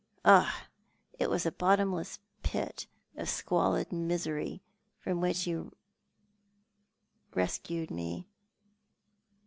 Oh, it was a bottomless pit of squalid misery from which you rescued me.